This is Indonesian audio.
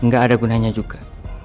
gak ada gunanya juga